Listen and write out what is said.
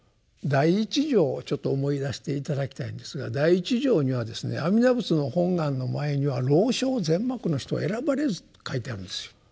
第一条を思い出して頂きたいんですが第一条にはですね阿弥陀仏の本願の前には「老少善悪の人をえらばれず」と書いてあるんですよ。